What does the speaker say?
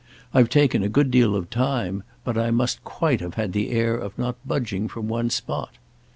I've taken a good deal of time, but I must quite have had the air of not budging from one spot."